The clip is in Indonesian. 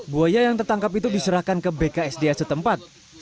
buaya yang tertangkap itu diserahkan ke bksda setempat